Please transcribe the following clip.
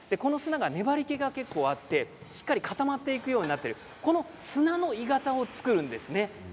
粘りけが結構あってしっかり固まっていくようになっているこの砂の鋳型を作るんですね。